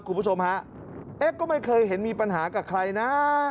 คุณผู้ชมฮะเอ๊ะก็ไม่เคยเห็นมีปัญหากับใครนะ